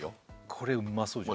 これうまそうじゃない？